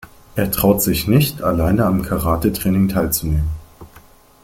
Er traut sich nicht alleine am Karatetraining teilzunehmen.